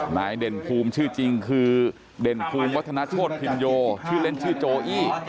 เด่นภูมิชื่อจริงคือเด่นภูมิวัฒนาโชธพินโยชื่อเล่นชื่อโจอี้